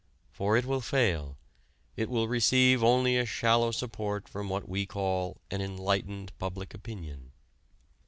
For it will fail, it will receive only a shallow support from what we call an "enlightened public opinion."